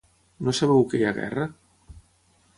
No sabeu que hi ha guerra?